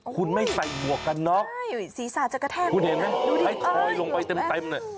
คุณไม่ใส่หัวกันน๊อกคุณเห็นไหมให้คอยลงไปเต็ม